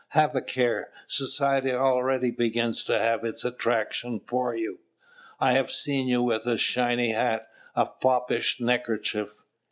Have a care! society already begins to have its attraction for you: I have seen you with a shiny hat, a foppish neckerchief....